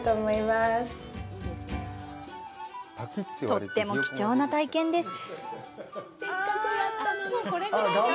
とっても貴重な体験です。